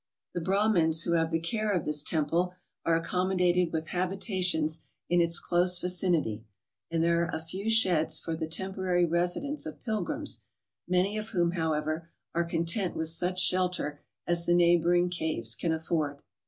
The Brahmins who have the care of this temple are accommodated with habitations in its close vicinity, and there a few sheds for the temporary residence of pilgrims, many of whom, however, are content with such shelter as the neighbouring caves can afford.